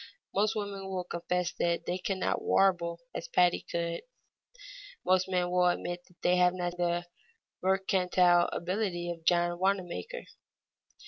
Most women will confess that they cannot warble as Patti could, most men will admit that they have not the mercantile ability of John Wanamaker.